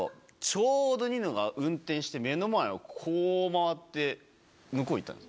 ちょうどニノが運転して、目の前をこう回って、向こうに行ったの。